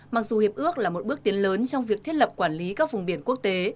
mặc dù hiệp ước là một bước tiến lớn trong việc thiết lập quản lý các vùng biển quốc tế